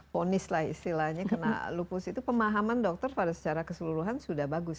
ponis lah istilahnya karena lupus itu pemahaman dokter pada secara keseluruhan sudah bagus